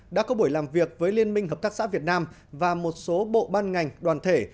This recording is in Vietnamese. đã có buổi làm việc với liên minh hợp tác xã việt nam và một số bộ ban ngành đoàn thể